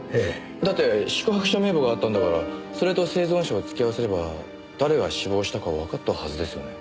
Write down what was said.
だって宿泊者名簿があったんだからそれと生存者を突き合わせれば誰が死亡したかわかったはずですよね？